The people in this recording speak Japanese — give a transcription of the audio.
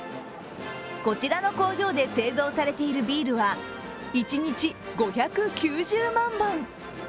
こちらの工場で製造されているビールは一日５９０万本。